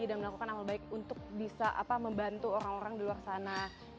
dan melakukan amal baik untuk bisa membantu orang orang di luar sana